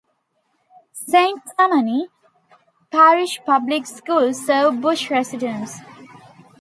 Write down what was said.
Saint Tammany Parish Public Schools serves Bush residents.